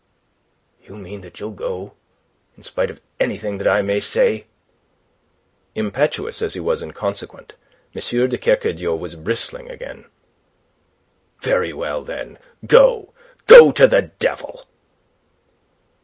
"You mean that you'll go in spite of anything that I may say?" Impetuous as he was inconsequent, M. de Kercadiou was bristling again. "Very well, then, go... Go to the devil!"